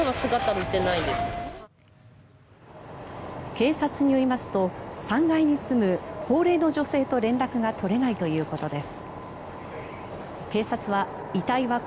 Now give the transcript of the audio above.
警察によりますと３階に住む高齢の女性と連絡が取れないということです。